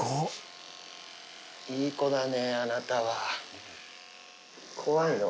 いい子だね、あなたは。怖いの？